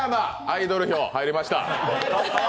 アイドル票、入りました。